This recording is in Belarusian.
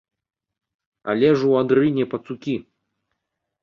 Але ж у адрыне пацукі.